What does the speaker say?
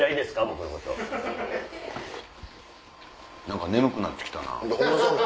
何か眠くなって来たな。